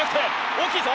大きいぞ！